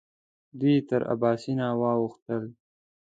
دوی تر اباسین واوښتل.